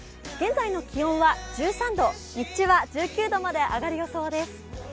現在の気温は１３度、日中は１９度まで上がる予想です。